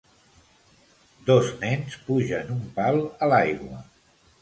Dos nens pugen un pal a l'aigua.